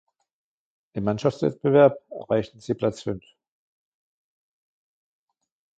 Im Mannschaftswettbewerb erreichten sie Platz fünf.